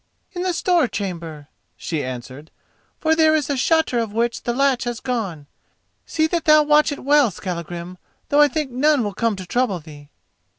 "In the store chamber," she answered, "for there is a shutter of which the latch has gone. See that thou watch it well, Skallagrim; though I think none will come to trouble thee."